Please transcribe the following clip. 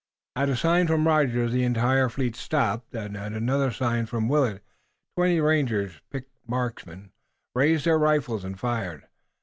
At a sign from Rogers the entire fleet stopped, and, at another sign from Willet, twenty rangers, picked marksmen, raised their rifles and fired.